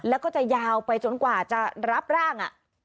แล้วก็จะยาวไปจนกว่าจะรับร่าง